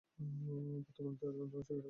বর্তমানে এর অধিকাংশই কেটে ফেলা হয়েছে।